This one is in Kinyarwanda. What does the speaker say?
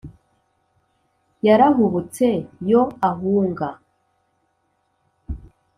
yarahubutse yo ahunga